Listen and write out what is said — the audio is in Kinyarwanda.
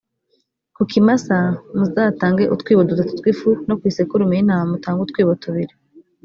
ku kimasa muzatange utwibo dutatu tw’ifu, no ku isekurume y’intama mutange utwibo tubiri.